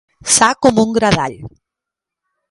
Sa com un gra d'all.